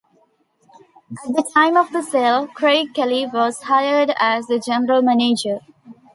At the time of the sale, Craig Kelley was hired as the General Manager.